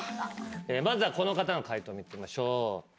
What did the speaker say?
まずはこの方の解答見てみましょう。